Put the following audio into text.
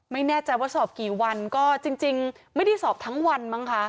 ไม่แน่ใจว่าสอบกี่วันก็จริงไม่ได้สอบทั้งวันมั้งคะ